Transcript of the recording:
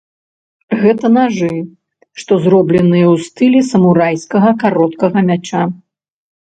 Гэта нажы, што зробленыя ў стылі самурайскага кароткага мяча.